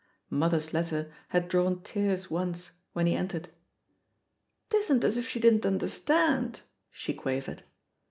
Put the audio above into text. Mother*s letter had drawn tears once, when he entered. "'Tisn't as if she didn't understand!" she quavered.